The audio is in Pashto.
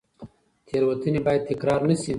تېروتنې باید تکرار نه شي.